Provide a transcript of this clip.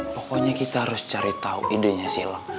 pokoknya kita harus cari tahu idenya sila